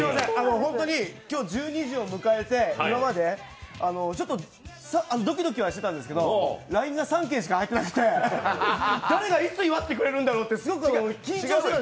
本当に今日１２時を迎えて、今までホントにドキドキしてたんですけど、ＬＩＮＥが３件しか入ってなくて誰がいつ祝ってくれるのかちょっと緊張してたんです。